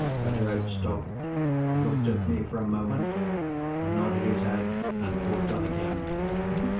Betteredge stopped, looked at me for a moment, nodded his head, and walked on again.